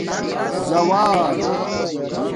زَاوار